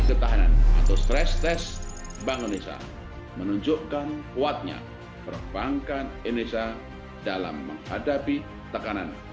ketahanan atau stress bank indonesia menunjukkan kuatnya perbankan indonesia dalam menghadapi tekanan